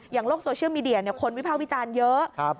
โลกโซเชียลมีเดียคนวิภาควิจารณ์เยอะ